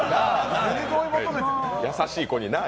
優しい子に、なあ？